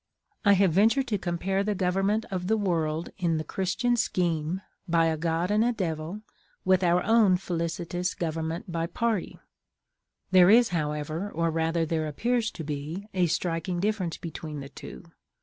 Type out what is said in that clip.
I have ventured to compare the government of the world in the Christian scheme, by a God and a Devil, with our own felicitous government by party. There is, however, or rather there appears to be, a striking difference between the two.